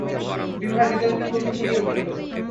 বিভার হৃদয় পুলকে পুরিয়া উঠিল।